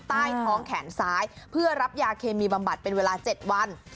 ใต้ท้องแขนซ้ายเพื่อรับยาเคมีบำบัดเป็นเวลา๗วัน